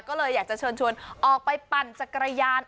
ก็เลยอยากจะเชิญชวนออกไปปั่นจักรยาน